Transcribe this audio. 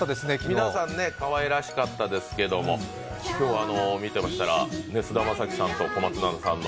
皆さんかわいらしかったですけども、今日見ていましたら、菅田将暉さんと小松菜奈さんの